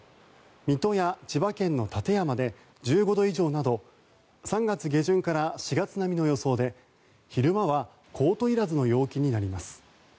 水戸や千葉県の館山で１５度以上など３月下旬から４月並みの予想で昼間はコートいらずの陽気になります。